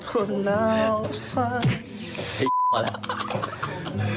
แล้วคนหนาเอาฝัน